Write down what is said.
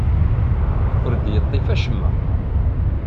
Ur d-yeṭṭif acemma.